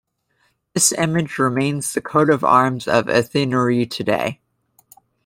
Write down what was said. This image remains the coat of arms of Athenry today.